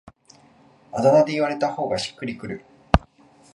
あだ名で言われた方がしっくりくる